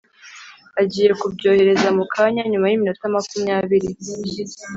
agiye kubyohereza mukanya nyuma yiminota makumyabiri